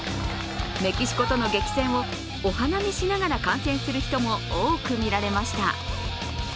メキシコとの激戦をお花見しながら観戦する人も多く見られました。